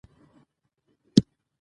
ډیجیټل وسایل د تفریح لپاره هم ښه دي.